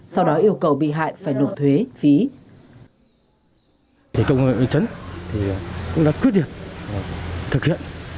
sau đó yêu cầu bị hại phải nộp thuế phí